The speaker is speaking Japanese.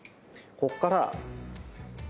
こっから。